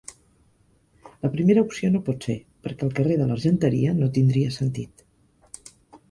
La primera opció no pot ser, perquè el carrer de l'Argenteria no tindria sentit.